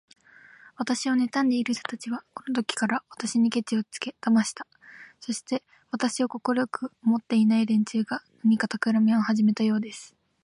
私をねたんでいる人たちは、このときから、私にケチをつけだしました。そして、私を快く思っていない連中が、何かたくらみをはじめたようです。